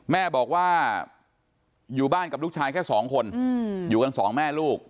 แม่บอกว่าอยู่บ้านกับลูกชายแค่สองคนอยู่กันสองแม่ลูก